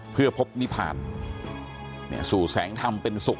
เพื่อพบนิพานสู่แสงธรรมเป็นสุข